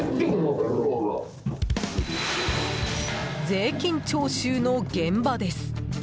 税金徴収の現場です。